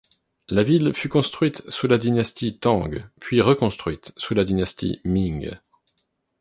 La ville fut construite sous la Dynastie Tang, puis reconstruite sous la Dynastie Ming.